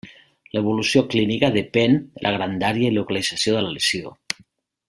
L'evolució clínica depèn de la grandària i localització de la lesió.